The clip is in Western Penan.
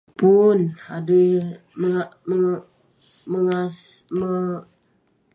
Pun. Adui me- me- mengase- me-